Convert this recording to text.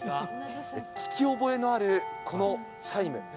聞き覚えのあるこのチャイム。